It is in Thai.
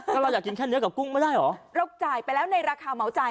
ก็เราอยากกินแค่เนื้อกับกุ้งไม่ได้เหรอเราจ่ายไปแล้วในราคาเหมาจ่าย